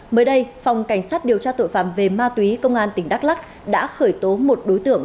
mới đây phòng cảnh sát điều tra tội phạm về ma túy công an tỉnh đắk lắc đã khởi tố một đối tượng